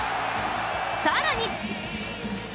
更に！